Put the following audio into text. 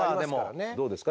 どうですか？